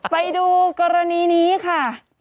ไปดูกรณีนี้ค่ะ